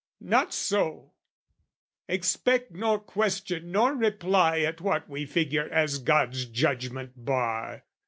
Not so! Expect nor question nor reply At what we figure as God's judgment bar!